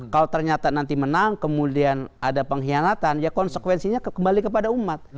kalau ternyata nanti menang kemudian ada pengkhianatan ya konsekuensinya kembali kepada umat